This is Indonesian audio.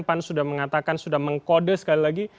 pan sudah mengatakan sudah mengkode sekali lagi